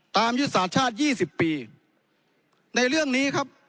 ยุทธศาสตร์ชาติ๒๐ปีในเรื่องนี้ครับ